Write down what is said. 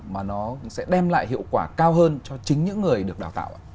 mà nó sẽ đem lại hiệu quả cao hơn cho chính những người được đào tạo ạ